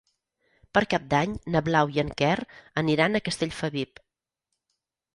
Per Cap d'Any na Blau i en Quer aniran a Castellfabib.